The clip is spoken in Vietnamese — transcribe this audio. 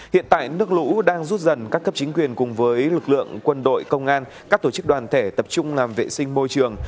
hiện tại nước lũ đang rút dần các cấp chính quyền cùng với lực lượng quân đội công an các tổ chức đoàn thể tập trung làm vệ sinh môi trường